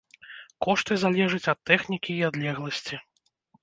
Кошты залежыць ад тэхнікі і адлегласці.